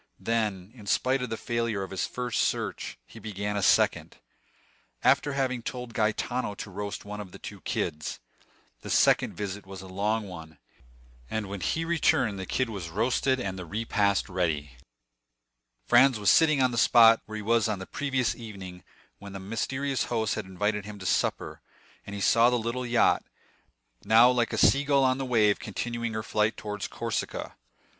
Then, in spite of the failure of his first search, he began a second, after having told Gaetano to roast one of the two kids. The second visit was a long one, and when he returned the kid was roasted and the repast ready. Franz was sitting on the spot where he was on the previous evening when his mysterious host had invited him to supper; and he saw the little yacht, now like a sea gull on the wave, continuing her flight towards Corsica.